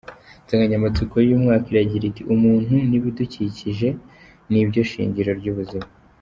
Insanganyamatsiko y’ uyu mwaka iragira iti "Umuntu n’ ibidukikije, nibyo shingiro ry’ ubuzima".